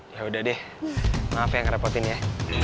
yaudah deh maaf ya ngerepotin ya